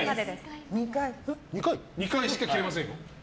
２回？２回しか切れません。